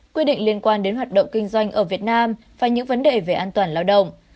quy định liên quan đến hoạt động kinh doanh ở việt nam và những vấn đề về an toàn lao động